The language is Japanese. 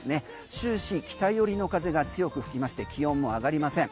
終始、北寄りの風が強く吹きまして気温も上がりません。